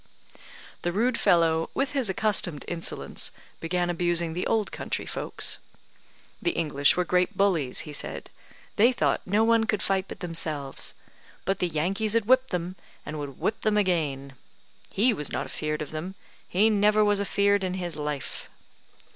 The rude fellow, with his accustomed insolence, began abusing the old country folks. The English were great bullies, he said; they thought no one could fight but themselves; but the Yankees had whipped them, and would whip them again. He was not afear'd of them, he never was afear'd in his life.